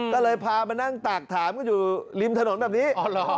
ก็เลยพามานั่งตากถามกันอยู่ริมถนนแบบนี้